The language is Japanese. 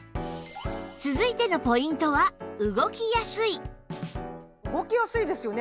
続いてのポイントは「動きやすい」動きやすいですよね。